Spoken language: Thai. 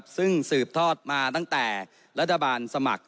ซึ่งสืบทอดมาตั้งแต่รัฐบาลสมัคร